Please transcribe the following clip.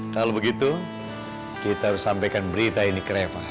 kalo begitu kita harus sampaikan berita ini ke reva